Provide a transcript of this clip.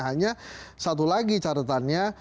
hanya satu lagi catatannya